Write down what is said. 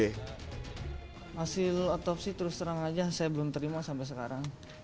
hasil otopsi terus terang saja saya belum terima sampai sekarang